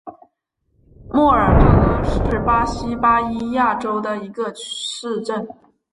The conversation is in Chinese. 莫尔帕拉是巴西巴伊亚州的一个市镇。